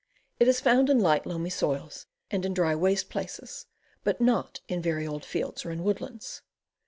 It is found in light, loamy soils and in dry waste places, but not in very old fields or in woodlands.